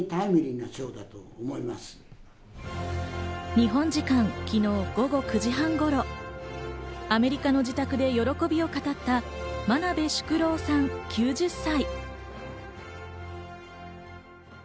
日本時間、昨日午後９時半頃、アメリカの自宅で喜びを語った真鍋淑郎さん９０歳。